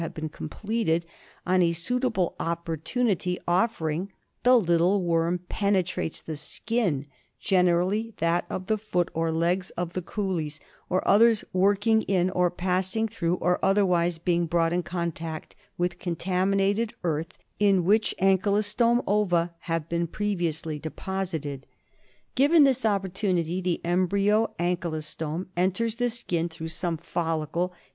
have been completed, on a suitable opportunity offering the little worm penetrates the skin, generally that of the feet or legs, of the coolies or others working in, or pass ing through, or otherwise being brought in contact with contaminated earth in which ankylostome ova had been previously deposited Given this opportunity the embryo ankylostome enters the skin through some folhcle and Aokyloslome embryos bBDeatb epidetmla. (FholB by Ur. R. Uxtr.)